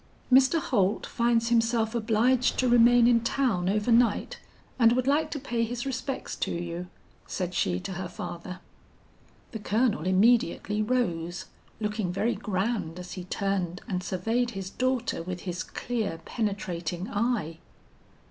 'Mr. Holt finds himself obliged to remain in town over night, and would like to pay his respects to you,' said she to her father. "The Colonel immediately rose, looking very grand as he turned and surveyed his daughter with his clear penetrating eye.'